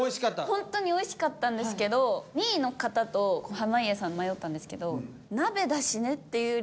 ほんとにおいしかったんですけど２位の方と濱家さん迷ったんですけど。